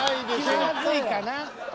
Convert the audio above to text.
気まずいかな。